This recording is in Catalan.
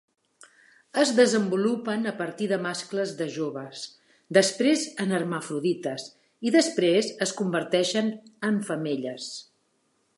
Es desenvolupen a partir de mascles de joves, després en hermafrodites i després es converteixen en femelles.